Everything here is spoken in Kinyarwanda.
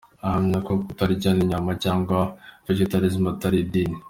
Ahamya ko kutarya inyama cyangwa “Vegetalisme” atari idini.